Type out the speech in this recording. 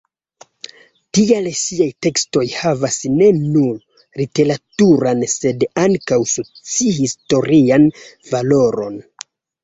Tial ŝiaj tekstoj havas ne nur literaturan sed ankaŭ soci-historian valoron.